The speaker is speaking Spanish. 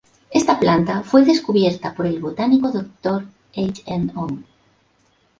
Esta planta fue descubierta por el botánico Dr. Hno.